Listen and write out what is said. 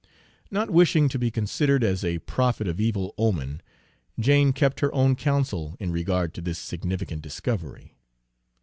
Not wishing to be considered as a prophet of evil omen, Jane kept her own counsel in regard to this significant discovery.